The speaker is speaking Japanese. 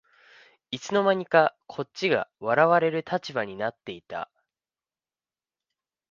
いつの間にかこっちが笑われる立場になってた